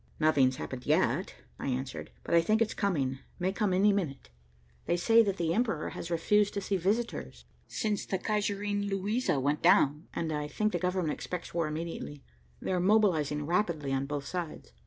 "Nothing's happened yet," I answered. "But I think it's coming, may come any minute. They say that the Emperor has refused to see visitors, since the Kaiserin Luisa went down, and I think the government expects war immediately. They're mobilizing rapidly on both sides."